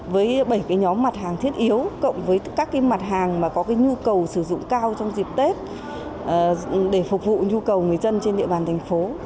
với bảy nhóm mặt hàng thiết yếu cộng với các mặt hàng mà có cái nhu cầu sử dụng cao trong dịp tết để phục vụ nhu cầu người dân trên địa bàn thành phố